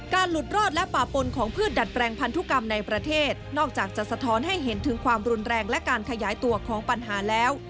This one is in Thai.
หลุดรอดและป่าปนของพืชดัดแปลงพันธุกรรมในประเทศนอกจากจะสะท้อนให้เห็นถึงความรุนแรงและการขยายตัวของปัญหาแล้ว